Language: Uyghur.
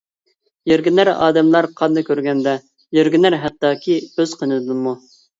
يىرگىنەر ئادەملەر قاننى كۆرگەندە، يىرگىنەر ھەتتاكى ئۆز قېنىدىنمۇ.